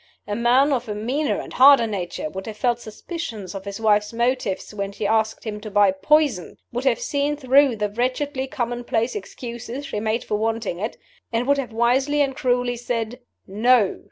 A man of a meaner and harder nature would have felt suspicions of his wife's motives when she asked him to buy poison would have seen through the wretchedly commonplace excuses she made for wanting it and would have wisely and cruelly said, 'No.